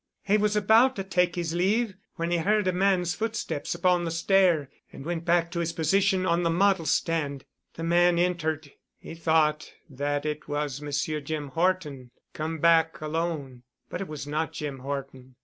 He was about to take his leave when he heard a man's footsteps upon the stair and went back to his position on the model stand. The man entered. He thought that it was Monsieur Jim Horton come back alone. But it was not Jim Horton.